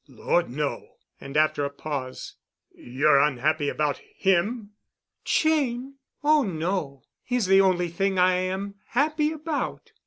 "Lord! no." And after a pause, "You're unhappy about him?" "Cheyne? Oh, no. He's the only thing I am happy about.